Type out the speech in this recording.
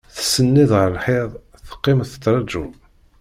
Tsenned ɣer lḥiḍ, teqqim tettraǧu.